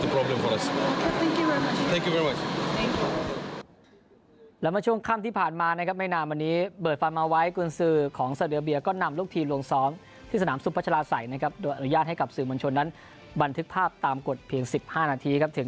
เพราะว่าพวกนักเตสาอุมีความปลอดภัยที่สู้กับทีมใหญ่